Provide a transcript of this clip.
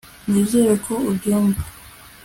nizere ko ubyumva